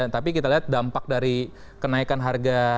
tapi kita lihat dampak dari kenaikan harga